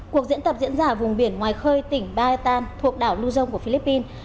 cuộc diễn tập diễn ra ở vùng biển ngoài khơi tỉnh bahealand thuộc đảo luzon của philippines